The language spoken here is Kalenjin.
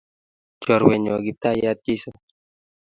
Choruennyo Kiptaiyat Jesu